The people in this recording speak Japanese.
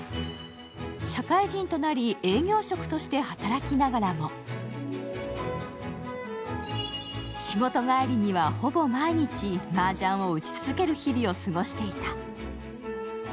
社会人となり、営業職として働きながらも、仕事帰りには、ほぼ毎日、マージャンを打ち続ける日々を過ごしていた。